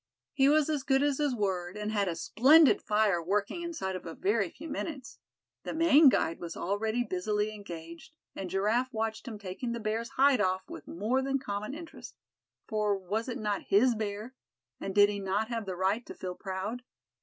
He was as good as his word, and had a splendid fire working inside of a very few minutes. The Maine guide was already busily engaged, and Giraffe watched him taking the bear's hide off with more than common interest; for was it not his bear, and did he not have the right to feel proud?